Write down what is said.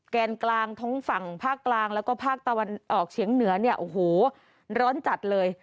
แกนกลางท้องฝั่งภาคกลางแล้วก็ภาคตะวันออกเฉียงเหนือเนี่ยโอ้โหร้อนจัดเลย